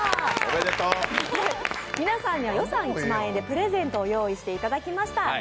皆さんには予算１万円でプレゼントをご用意していただきました。